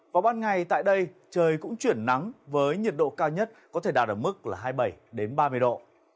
vào ban ngày tại đây trời cũng chuyển nắng với nhiệt độ cao nhất có thể đạt ở mức là hai mươi bảy ba mươi độ